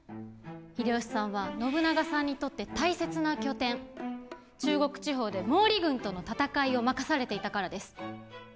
秀吉さんは信長さんにとって大切な拠点中国地方で毛利軍との戦いを任されていたからです。